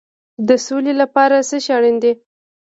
د سولې لپاره څه شی اړین دی؟